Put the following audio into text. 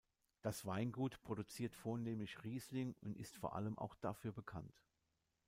Das Weingut produziert vornehmlich Riesling und ist vor allem auch dafür bekannt.